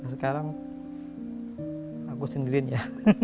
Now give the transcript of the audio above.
sekarang aku sendirian ya